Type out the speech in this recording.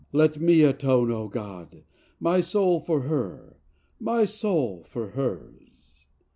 Let me atone, O God —my soul for hers; my soul for hers!